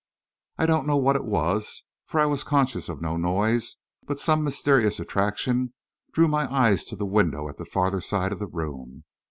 I don't know what it was for I was conscious of no noise but some mysterious attraction drew my eyes to the window at the farther side of the room.